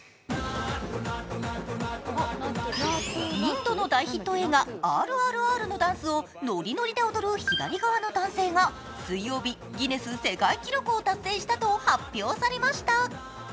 インドの大ヒット映画「ＲＲＲ」のダンスをノリノリで踊る左側の男性が水曜日、ギネス世界記録を達成したと発表されました。